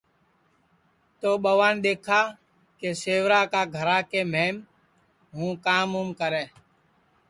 تو ٻوان دؔیکھا کہ سیورا کا گھرا کے مہم ہوں کام اُم کرے